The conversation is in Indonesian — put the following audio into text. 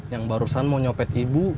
yang barusan mau nyopet ibu